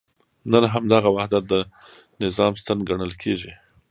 نن همدغه وحدت د نظام ستن ګڼل کېږي.